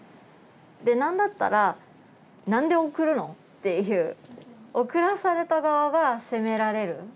でなんだったら「なんで送るの？」っていう送らされた側が責められる。